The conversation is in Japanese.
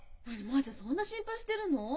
まあちゃんそんな心配してるの？